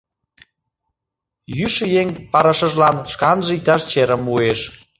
Йӱшӧ еҥ парышыжлан шканже иктаж черым муэш.